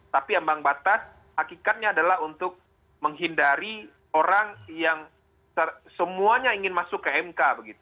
tapi ambang batas hakikatnya adalah untuk menghindari orang yang semuanya ingin masuk ke mk